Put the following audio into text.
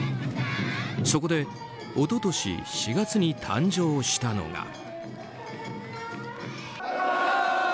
そこで一昨年４月に誕生したのが。